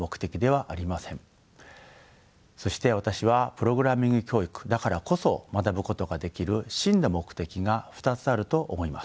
そして私はプログラミング教育だからこそ学ぶことができる真の目的が２つあると思います。